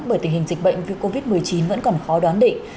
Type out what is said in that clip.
bởi tình hình dịch bệnh covid một mươi chín vẫn còn khó đoán định